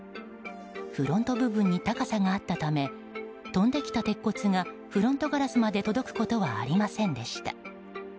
フロント部分に高さがあったため飛んできた鉄骨がフロントガラスまで届くことはありませんでした。